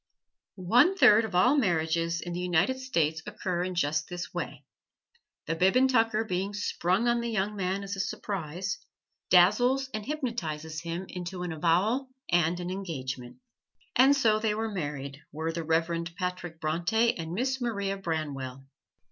One third of all marriages in the United States occur in just this way: the bib and tucker being sprung on the young man as a surprise, dazzles and hypnotizes him into an avowal and an engagement. And so they were married were the Reverend Patrick Bronte and Miss Maria Branwell.